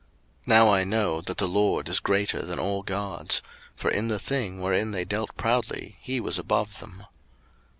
02:018:011 Now I know that the LORD is greater than all gods: for in the thing wherein they dealt proudly he was above them.